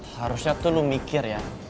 harusnya tuh lu mikir ya